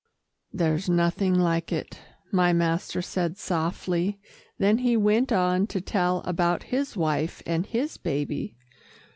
"There's nothing like it," my master said softly, then he went on to tell about his wife and his baby.